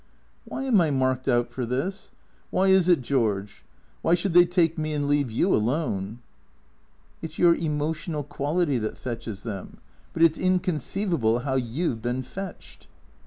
" Why am I marked out for this ? Why is it, George ? Why should they take me and leave you alone ?"" It's your emotional quality that fetches them. But it's in conceivable how you 've been fetched."